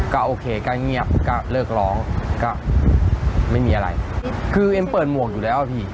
ก็โอเคก็เงียบก็เลิกร้องก็ไม่มีอะไรคือเอ็มเปิดหมวกอยู่แล้วพี่